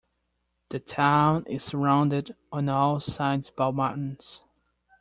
The town is surrounded on all sides by mountains.